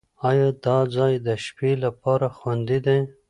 ایا دا ځای د شپې لپاره خوندي دی؟